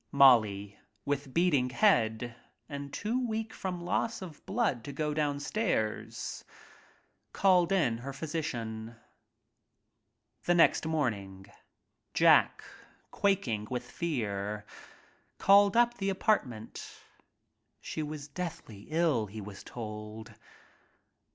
Molly, with beating head and too weak from loss of blood to go downstairs, called in her physi cian. The next morning, Jack quaking with fear, called up the apartment. She was deathly ill, he was told.